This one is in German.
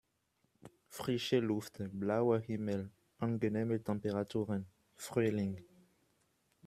Frische Luft, blauer Himmel, angenehme Temperaturen: Frühling!